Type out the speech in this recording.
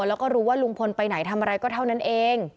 แล้วก็รู้ว่าลุงพลไปไหนทำอะไรก็เท่านั้นเอง